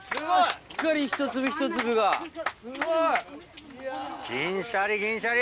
しっかり一粒一粒銀シャリ、銀シャリ。